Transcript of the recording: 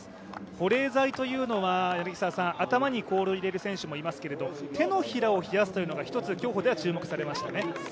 保冷剤というのは頭に氷を入れる選手もいますけれども手のひらを冷やすというのが、一つ競歩では注目されましたね。